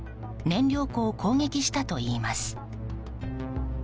燃料庫を攻撃したといいます。